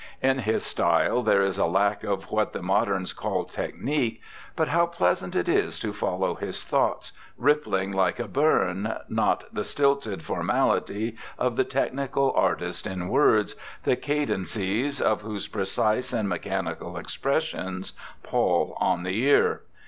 In his style there is a lack of what the moderns call technique, but how pleasant it is to follow his thoughts, rippling like a burn, not the stilted for mality of the technical artist in words, the cadencies of whose precise and mechanical expressions pall on the ear.